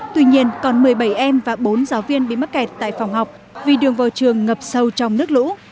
tuy nhiên còn một mươi bảy em và bốn giáo viên bị mắc kẹt tại phòng học vì đường vào trường ngập sâu trong nước lũ